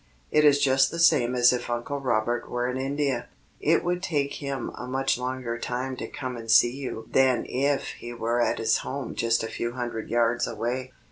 It is just the same as if Uncle Robert were in India. It would take him a much longer time to come and see you than if he were at his home just a few hundred yards away.